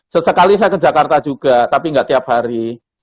sesekali saya ke jakarta juga tapi nggak tiap hari